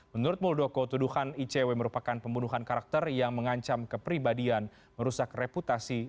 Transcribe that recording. menurut muldoko tuduhan icw merupakan pembunuhan karakter yang mengancam kepribadian merusak reputasi